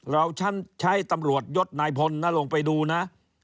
ฉันใช้ตำรวจยศนายพลนะลงไปดูนะ